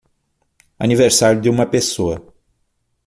Aniversário de uma pessoa